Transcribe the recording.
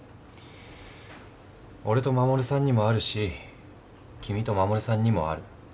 俺と衛さんにもあるし君と衛さんにもある。